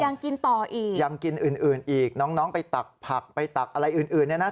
ยังกินต่ออีกยังกินอื่นอีกน้องไปตักผักไปตักอะไรอื่นเนี่ยนะ